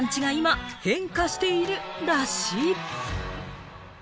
令和の団地が今、変化しているらしい。